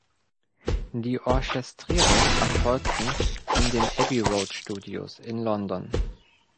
Die Orchestrierungen erfolgten in den Abbey Road Studios in London.